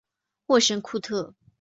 沃什库特。